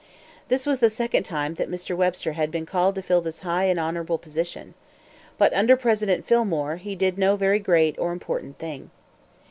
This was the second time that Mr. Webster had been called to fill this high and honorable position. But, under President Fillmore, he did no very great or important thing.